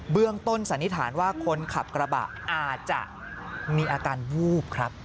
เรื่องต้นสันนิษฐานว่าคนขับกระบะอาจจะมีอาการวูบครับ